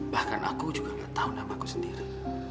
bahkan aku juga gak tau nama aku sendiri